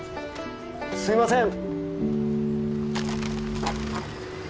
すいません。